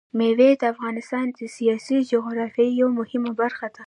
مېوې د افغانستان د سیاسي جغرافیه یوه مهمه برخه ده.